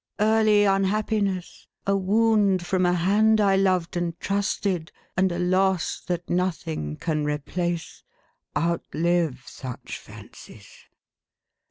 Early unhappiness, a wound from a hand I loved and trusted, and a loss that nothing can replace, out live such fancies."